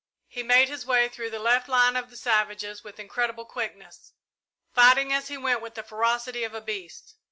He made his way through the left line of the savages with incredible quickness, fighting as he went with the ferocity of a beast.